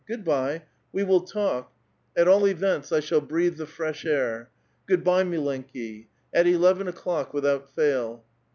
Good by. We will talk ; at all events, I shall breathe the fresh air. Good by, milenki. At eleven o'clock, without fail."